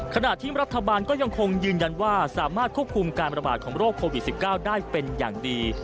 ขณะที่รัฐบาลก็ยังคงยืนยันว่าสามารถควบคุมการประบาดของโรคโควิด๑๙ได้เป็นอย่างดี